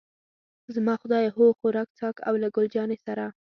زما خدایه، هو، خوراک، څښاک او له ګل جانې سره.